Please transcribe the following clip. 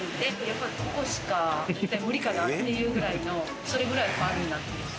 やっぱりここしか無理かなっていうぐらいのそれぐらいファンになってます。